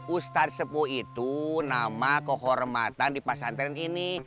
ustadz sepuh itu nama kehormatan di pesantren ini